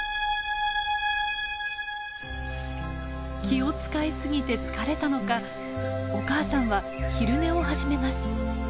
気を遣い過ぎて疲れたのかお母さんは昼寝を始めます。